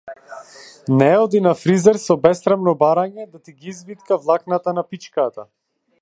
Не оди на фризер со бесрамно барање да ти ги извитка влакната на пичката.